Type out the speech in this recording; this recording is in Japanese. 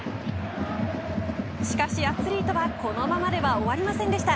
しかしアツリートはこのままでは終わりませんでした。